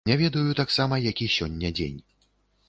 Не ведаю таксама, які сёння дзень.